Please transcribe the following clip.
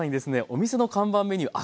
お店の看板メニュー